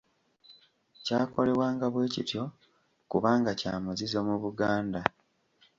Kyakolebwanga bwe kityo kubanga kya muzizo mu Buganda.